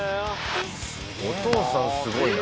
お父さんすごいな。